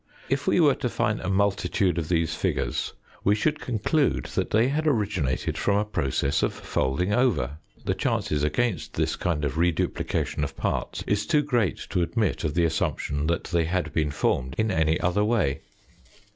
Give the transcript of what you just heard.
If we were to find a multitude of these figures, we should conclude that they had originated from a process of folding over ; the chances against this kind of reduplication of parts is too great to admit of the assumption that they had been formed in any other way.